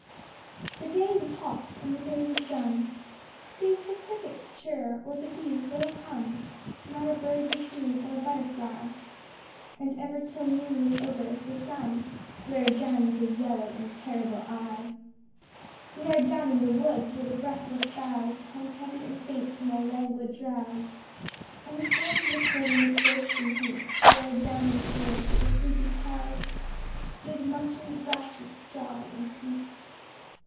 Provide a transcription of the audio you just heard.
The day was hot and the day was dumb, Save for cricket's chirr or the bee's low hum, Not a bird was seen or a butterfly, And ever till noon was over, the sun Glared down with a yellow and terrible eye; Glared down in the woods, where the breathless boughs Hung heavy and faint in a languid drowse, And the ferns were curling with thirst and heat; Glared down on the fields where the sleepy cows Stood munching the grasses, dry and sweet.